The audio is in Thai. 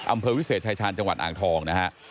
อำเภอวิเศษชายชาญจังหวัดอ่างทองนะฮะ